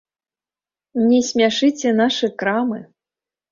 Не смяшыце нашы крамы.